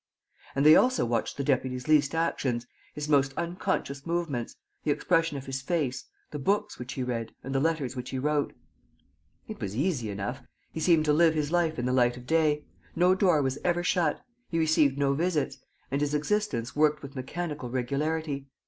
And they also watched the deputy's least actions, his most unconscious movements, the expression of his face, the books which he read and the letters which he wrote. It was easy enough. He seemed to live his life in the light of day. No door was ever shut. He received no visits. And his existence worked with mechanical regularity.